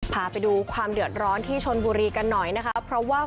พาไปดูความเดือดร้อนที่ชนบุรีกันหน่อยนะคะเพราะว่า